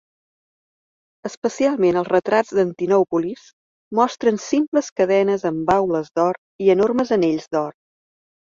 Especialment els retrats d'Antinòupolis mostren simples cadenes amb baules d'or i enormes anells d'or.